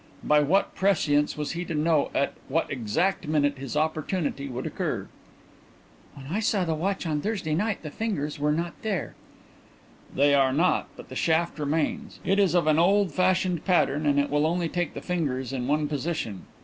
By what prescience was he to know at what exact minute his opportunity would occur?" "When I saw the watch on Thursday night the fingers were not there." "They are not, but the shaft remains. It is of an old fashioned pattern and it will only take the fingers in one position.